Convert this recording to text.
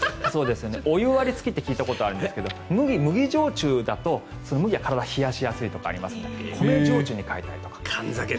お湯割りが好きって聞いたことがあるんですけど麦焼酎だと麦は体を冷やしやすいとかありますから米焼酎に変えたい。